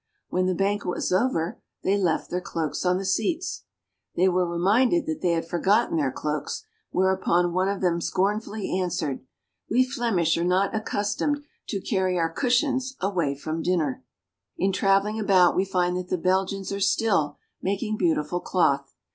When the banquet was over, they left their cloaks on the seats. They were re minded that they had forgotten their cloaks, whereupon one of them scornfully answered, "We Flemish are not accustomed to carry our cushions away after dinner." In traveling about we find that the Belgians are still making beautiful cloth.